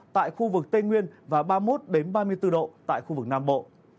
tại khu vực tây nguyên và ba mươi một ba mươi bốn độ tại khu vực nam bộ